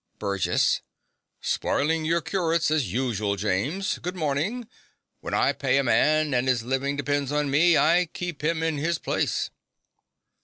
BURGESS. Spoilin' your curates, as usu'l, James. Good mornin'. When I pay a man, an' 'is livin' depen's on me, I keep him in his place.